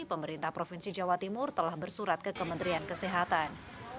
pemerintah provinsi jawa timur telah bersurat ke kementerian kesehatan